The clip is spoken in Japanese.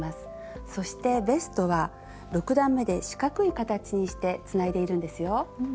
そしてベストは６段めで四角い形にしてつないでいるんですよ。